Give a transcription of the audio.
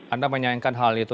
anda menyayangkan hal itu